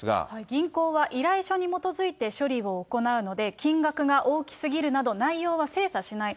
銀行は依頼書に基づいて処理を行うので、金額が大きすぎるなど、内容は精査しない。